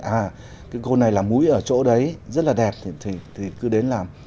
à cái cô này là mũi ở chỗ đấy rất là đẹp thì cứ đến làm